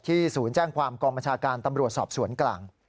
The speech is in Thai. ศูนย์แจ้งความกองบัญชาการตำรวจสอบสวนกลาง